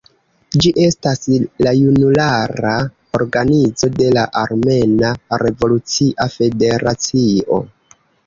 Ĝi estas la junulara organizo de la Armena Revolucia Federacio.